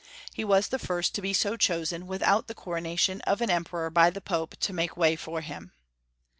He was the first to be so chosen, without the coronation of an Emperor b}' the Pope to make way for liim.